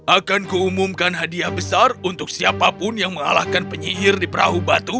akan ku umumkan hadiah besar untuk siapapun yang mengalahkan penyihir di perahu batu